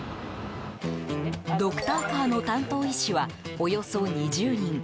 ドクターカーの担当医師はおよそ２０人。